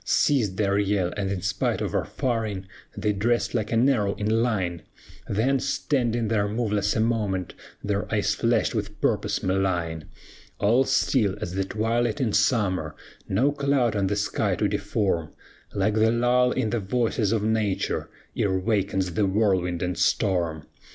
"Ceased their yell, and in spite of our firing They dressed like an arrow in line, Then, standing there moveless a moment, Their eyes flashed with purpose malign, All still as the twilight in summer, No cloud on the sky to deform, Like the lull in the voices of nature Ere wakens the whirlwind and storm.